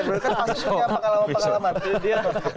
pasti punya pengalaman pengalaman